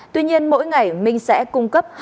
tuy nhiên mỗi ngày minh sẽ cung cấp